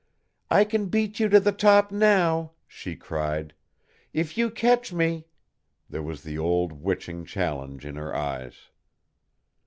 "I can beat you to the top now!" she cried. "If you catch me " There was the old witching challenge in her eyes.